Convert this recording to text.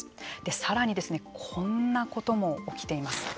さらにこんなことも起きています。